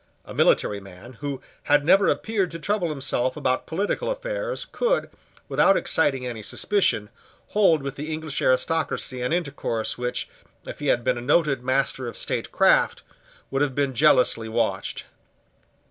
A military man, who had never appeared to trouble himself about political affairs, could, without exciting any suspicion, hold with the English aristocracy an intercourse which, if he had been a noted master of state craft, would have been jealously watched.